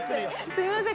すいません